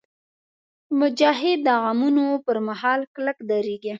مجاهد د غمونو پر مهال کلک درېږي.